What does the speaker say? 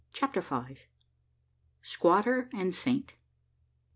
CHAPTER FIVE. SQUATTER AND SAINT.